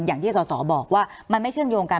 อย่างที่สอสอบอกว่ามันไม่เชื่อมโยงกัน